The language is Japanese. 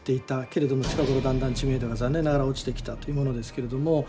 けれども近頃だんだん知名度が残念ながら落ちてきたというものですけれども。